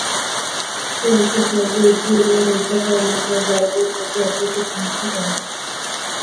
চূড়ান্ত পর্বে, এটি এবং দৈত্যাকার মেকা গারগোস একে অপরকে ধ্বংস করে।